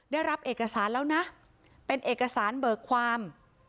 ได้รับเอกสารแล้วนะเป็นเอกสารเบิกความ